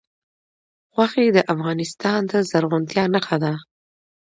غوښې د افغانستان د زرغونتیا نښه ده.